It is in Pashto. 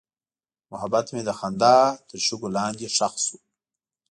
محبت مې د خندا تر شګو لاندې ښخ شو.